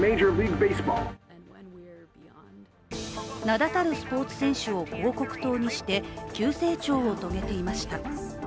名だたるスポーツ選手を広告塔にして急成長を遂げていました。